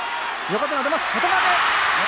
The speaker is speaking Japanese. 横綱出ます。